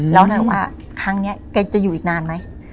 แล้วหน่อยว่าครั้งนี้แกจะอยู่อีกนานไหม